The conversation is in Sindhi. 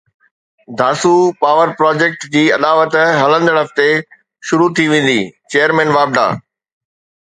داسو پاور پراجيڪٽ جي اڏاوت هلندڙ هفتي شروع ٿي ويندي چيئرمين واپڊا